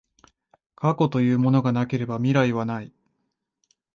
過去というものがなければ未来はない。